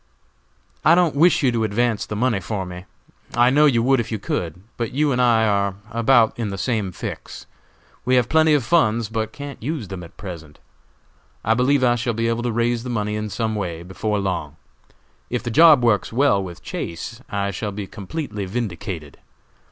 "I don't wish you to advance the money for me. I know you would if you could; but you and I are about in the same fix. We have plenty of funds, but can't use them at present. I believe I shall be able to raise the money in some way before long. If the job works well with Chase I shall be completely vindicated.